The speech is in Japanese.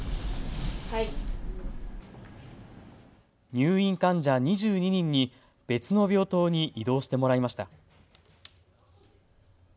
入院患者２２人に別の病棟に移動してもらいました。